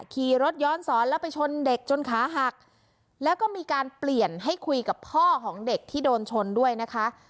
ขี่รถย้อนสอนแล้วไปชนเด็กจนขาหักแล้วก็มีการเปลี่ยนให้คุยกับพ่อของเด็กที่โดนชนด้วยนะคะ